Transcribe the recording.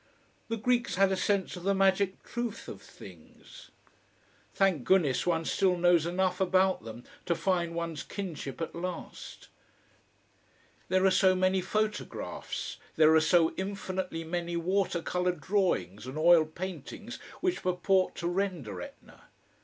The Greeks had a sense of the magic truth of things. Thank goodness one still knows enough about them to find one's kinship at last. There are so many photographs, there are so infinitely many water colour drawings and oil paintings which purport to render Etna.